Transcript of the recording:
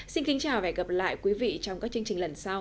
xin kính chào và hẹn gặp lại quý vị trong các chương trình lần sau